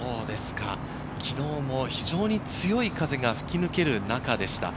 昨日も非常に強い風が吹き抜ける中でした。